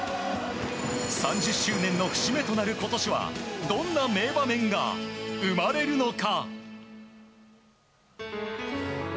３０周年の節目となる今年はどんな名場面が生まれるのか。